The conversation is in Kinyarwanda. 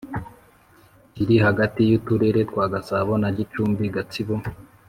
Kiri hagati y’Uturere twa Gasabo na Gicumbi, Gatsibo